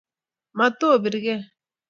mato birke